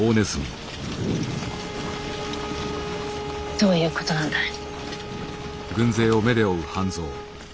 どういうことなんだい？